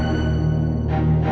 ibu harus sembuh